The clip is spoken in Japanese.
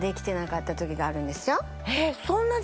えっ。